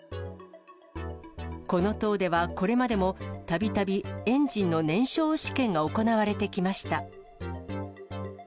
この塔では、これまでも、たびたびエンジンの燃焼試験が行われてきました。